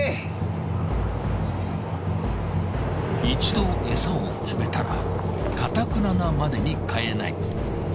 一度エサを決めたらかたくななまでに変えない。